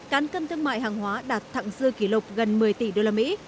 căn cân thương mại hàng hóa đạt thặng dư kỷ lục gần một mươi tỷ đô la mỹ